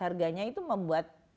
harganya itu membuat